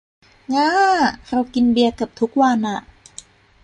ง้า เรากินเบียร์เกือบทุกวันอ่ะ